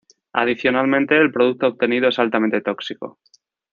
Adicionalmente, el producto obtenido es altamente tóxico.